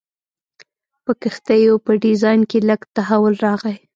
په کښتیو په ډیزاین کې لږ تحول راغی.